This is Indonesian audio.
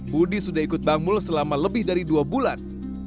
budi sudah ikut bangmul selama lebih dari dua bulan